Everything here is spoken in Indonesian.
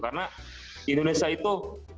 karena indonesia itu